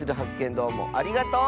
どうもありがとう！